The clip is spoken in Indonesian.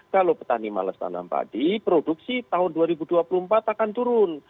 kalau petani malas tanam padi produksi tahun dua ribu dua puluh empat akan turun